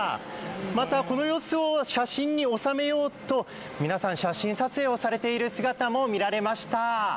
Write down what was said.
また、この様子を写真に収めようと皆さん、写真撮影をされている姿も見られました。